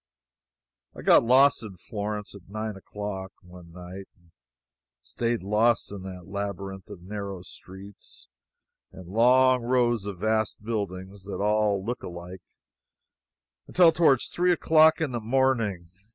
I got lost in Florence at nine o'clock, one night, and staid lost in that labyrinth of narrow streets and long rows of vast buildings that look all alike, until toward three o'clock in the morning.